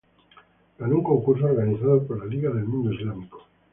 Ganó un concurso organizado por la Liga del Mundo Islámico.